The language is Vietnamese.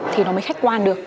thì nó mới khách quan được